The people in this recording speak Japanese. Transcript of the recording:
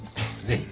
ぜひ。